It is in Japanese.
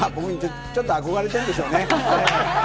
ちょっと憧れてるんでしょうね。